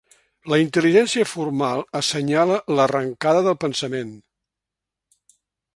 La intel·ligència formal assenyala l'arrencada del pensament.